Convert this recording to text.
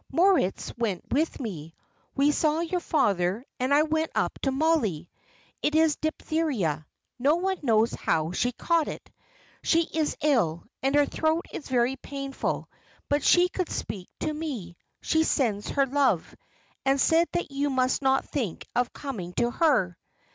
Moritz went with me. We saw your father, and I went up to Mollie. It is diphtheria no one knows how she has caught it. She is ill, and her throat is very painful, but she could speak to me. She sent her love, and said that you must not think of coming to her."